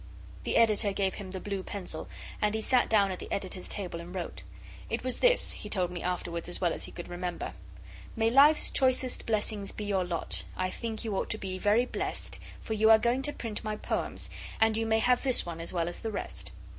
The Editor gave him the blue pencil, and he sat down at the Editor's table and wrote. It was this, he told me afterwards as well as he could remember May Life's choicest blessings be your lot I think you ought to be very blest For you are going to print my poems And you may have this one as well as the rest.